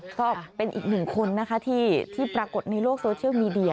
ก็เป็นอีกหนึ่งคนนะคะที่ปรากฏในโลกโซเชียลมีเดีย